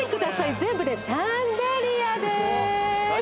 全部シャンデリアです